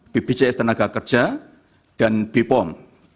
bpjs tenaga kerja dan bepom